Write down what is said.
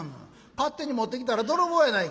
勝手に持ってきたら泥棒やないか」。